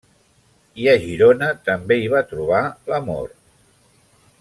I a Girona també hi va trobar l'amor.